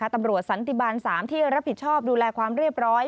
สันติบาล๓ที่รับผิดชอบดูแลความเรียบร้อย